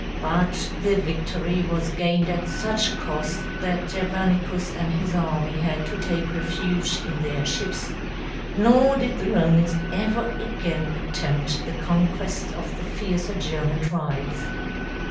But the victory was gained at such cost that Germanicus and his army had to take refuge in their ships, nor did the Romans ever again attempt the conquest of the fiercer German tribes.